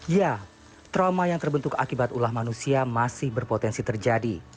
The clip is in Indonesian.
ya trauma yang terbentuk akibat ulah manusia masih berpotensi terjadi